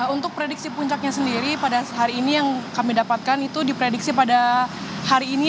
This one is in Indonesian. untuk prediksi puncaknya sendiri pada hari ini yang kami dapatkan itu diprediksi pada hari ini